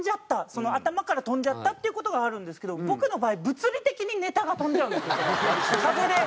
頭から飛んじゃったっていう事があるんですけど僕の場合物理的にネタが飛んじゃうんですよ風で。